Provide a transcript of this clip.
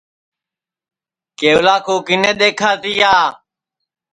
کیولا کُوکِنیں دیکھا کیا